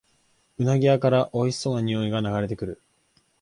うなぎ屋からおいしそうなにおいが流れてくる